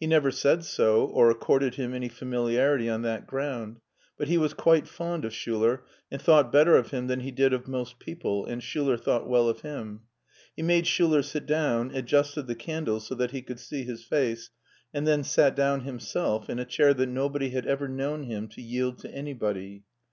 He never said so or accorded him any familiarity on that ground; but he was quite fond of Schuler and thought better of him than he did of most people, and Schuler thought well of him. He made Schiilet sit down, adjusted the candles so that he could see his face, and then sat down himself in a chair that nobody had ever known him to yield to anybody.